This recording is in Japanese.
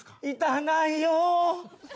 いたないよ。